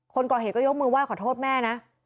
คนก่อเหตุก็ยกมือไห้ขอโทษแม่นะ